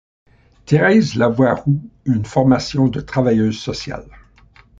Thérèse Lavoie-Roux eut une formation de travailleuse sociale.